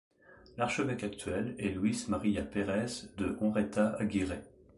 L'archevêque actuel est Luis Maria Pérez de Onraita Aguirre.